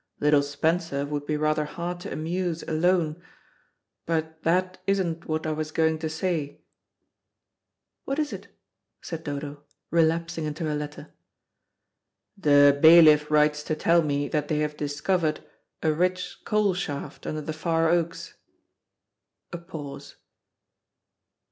"Little Spencer would be rather hard to amuse alone. But that isn't what I was going to say." "What is it?" said Dodo, relapsing into her letter. "The bailiff writes to tell me that they have discovered a rich coal shaft under the Far Oaks." A pause.